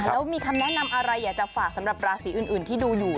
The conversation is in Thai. แล้วมีคำแนะนำอะไรอยากจะฝากสำหรับราศีอื่นที่ดูอยู่